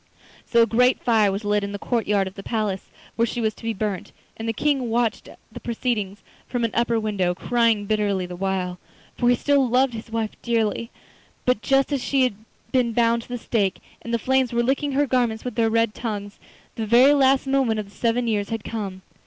So a great fire was lit in the courtyard of the palace, where she was to be burnt, and the King watched the proceedings from an upper window, crying bitterly the while, for he still loved his wife dearly. But just as she had been bound to the stake, and the flames were licking her garments with their red tongues, the very last moment of the seven years had come.